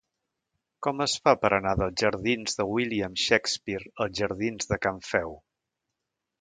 Com es fa per anar dels jardins de William Shakespeare als jardins de Can Feu?